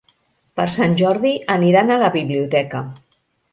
Per Sant Jordi aniran a la biblioteca.